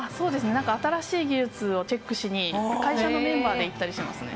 なんか新しい技術をチェックしに、会社のメンバーで行ったりしますね。